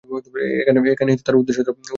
এখানেই তো তার উদ্দেশ্যটা বোঝা যাচ্ছে।